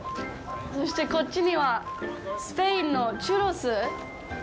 そして、こっちにはスペインのチュロス。